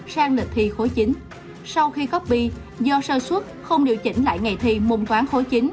sang lịch thi khối chín sau khi copy do sơ xuất không điều chỉnh lại ngày thi môn toán khối chín